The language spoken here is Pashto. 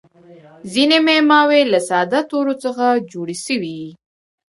ځیني معماوي له ساده تورو څخه جوړي سوي يي.